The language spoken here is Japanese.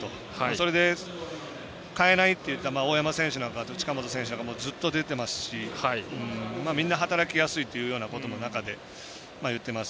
それで変えないっていった大山選手や近本選手なんかはずっと出てますしみんな働きやすいようなこともいってます。